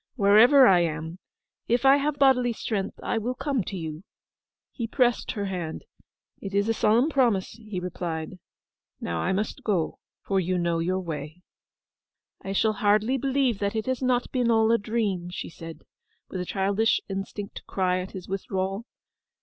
'Wherever I am, if I have bodily strength I will come to you.' He pressed her hand. 'It is a solemn promise,' he replied. 'Now I must go, for you know your way.' 'I shall hardly believe that it has not been all a dream!' she said, with a childish instinct to cry at his withdrawal.